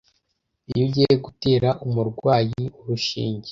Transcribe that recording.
iyo ugiye gutera umurwayi urushinge